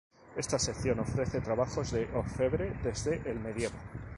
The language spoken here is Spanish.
Esta sección ofrece trabajos de orfebre desde el medievo.